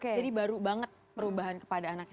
jadi baru banget perubahan kepada anaknya